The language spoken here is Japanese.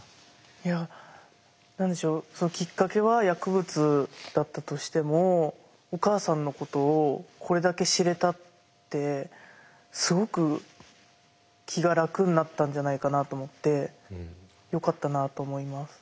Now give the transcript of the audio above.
いや何でしょうきっかけは薬物だったとしてもお母さんのことをこれだけ知れたってすごく気が楽になったんじゃないかなと思ってよかったなと思います。